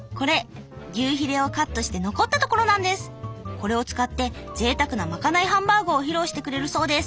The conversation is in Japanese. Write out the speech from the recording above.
これを使ってぜいたくなまかないハンバーグを披露してくれるそうです。